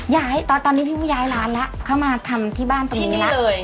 ย้ายตอนตอนนี้พี่ผู้ย้ายร้านละเข้ามาทำที่บ้านตรงนี้ละที่นี่เลย